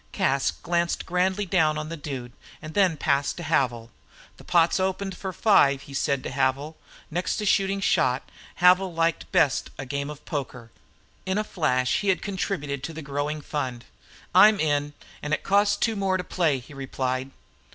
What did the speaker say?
Cas glanced grandly down on the Dude, and then passed to Havil. "The pot's opened for five," he said to Havil. Next to shooting shot, Havil liked best a game of poker. In a flash he had contributed to the growing fund. "I'm in, and it costs two more to play," he replied.